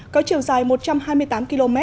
có chiều dài một trăm hai mươi tám km